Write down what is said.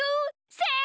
せの！